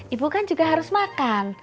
ibu kan juga harus makan